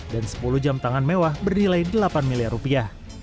dan sepuluh jam tangan mewah bernilai delapan miliar rupiah